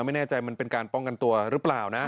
ไม่แน่ใจมันเป็นการป้องกันตัวหรือเปล่านะ